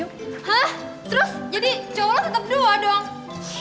hah terus jadi cowok lo tetap dua dong